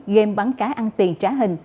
game bắn cá ăn tiền trả hình